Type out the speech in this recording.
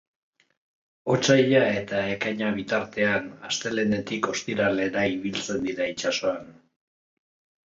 Otsaila eta ekaina bitartean, astelehenetik ostiralera ibiltzen dira itsasoan.